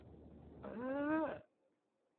好心俾雷劈